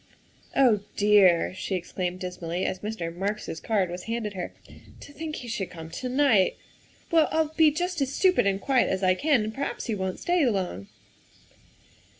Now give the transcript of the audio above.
" Oh, dear," she exclaimed dismally as Mr. Marks 's card was handed her, '' to think he should come to night. Well, I'll be just as stupid and quiet as I can, and per haps he won 't stay long.